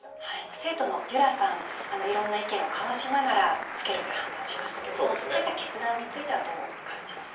生徒の由空さん、いろんな意見を交わしながらつけるという判断をしましたけどそういった決断についてはどう感じましたか？